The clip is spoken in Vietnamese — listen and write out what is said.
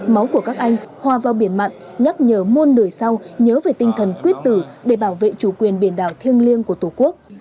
máu của các anh hòa vào biển mặn nhắc nhở muôn đời sau nhớ về tinh thần quyết tử để bảo vệ chủ quyền biển đảo thiêng liêng của tổ quốc